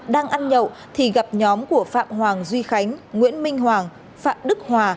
đang ăn nhậu thì gặp nhóm của phạm hoàng duy khánh nguyễn minh hoàng phạm đức hòa